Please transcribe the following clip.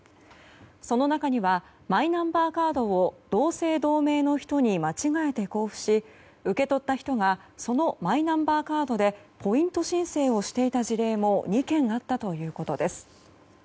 その中にはマイナンバーカードを同姓同名の人に間違えて交付し受け取った人がそのマイナンバーカードでポイント申請をしていた事例も２件あったということです。